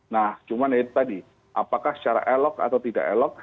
nah cuman itu tadi apakah secara elok atau tidak elok